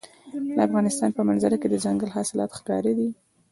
د افغانستان په منظره کې دځنګل حاصلات ښکاره ده.